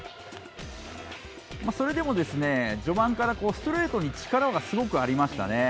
それでも、序盤からストレートに力がすごくありましたね。